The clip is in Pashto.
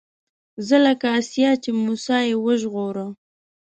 زه لکه آسيې چې موسی يې وژغوره